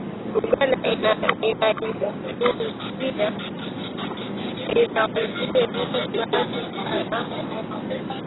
Uganda inaiuzia Kongo bidhaa za Simenti, mafuta ya mawese, mchele, sukari, petroli iliyosafishwa, bidhaa zilizopikwa, vipodozi na vifaa vya chuma